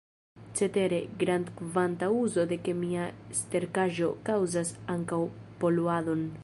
Cetere, grandkvanta uzo de kemia sterkaĵo kaŭzas ankaŭ poluadon.